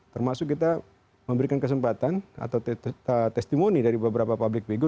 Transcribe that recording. termasuk kita memberikan kesempatan atau testimoni dari beberapa public figure